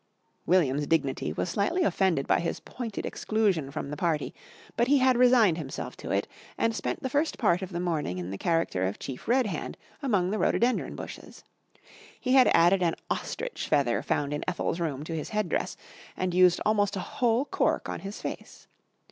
William's dignity was slightly offended by his pointed exclusion from the party, but he had resigned himself to it, and spent the first part of the morning in the character of Chief Red Hand among the rhododendron bushes. He had added an ostrich feather found in Ethel's room to his head dress, and used almost a whole cork on his face.